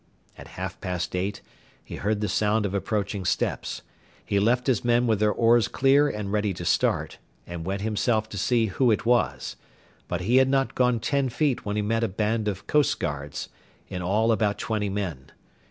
At half past eight he heard the sound of approaching steps; he left his men with their oars clear and ready to start, and went himself to see who it was; but he had not gone ten feet when he met a band of coastguards, in all about twenty men.